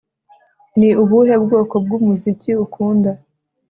Ni ubuhe bwoko bwumuziki ukunda